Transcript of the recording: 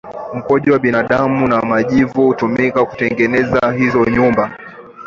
mkojo wa binadamu na majivu hutumika kutengeneza nyumba hizo